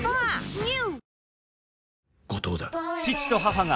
ＮＥＷ！